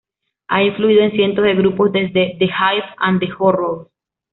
Han influido en cientos de grupos, desde The Hives a The Horrors.